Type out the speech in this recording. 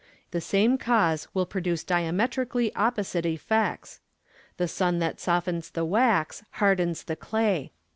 The same cause will produce diametrically opposite effects. The sun that softens the wax hardens the clay.